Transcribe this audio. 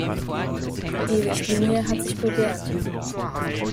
Die Richtlinie hat sich bewährt.